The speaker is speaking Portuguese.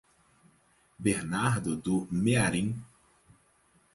Bernardo do Mearim